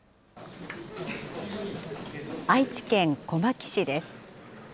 愛知県小牧市です。